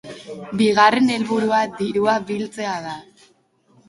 Bigarren helburua dirua biltzea da.